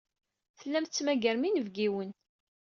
Tellam tettmagarem inebgiwen.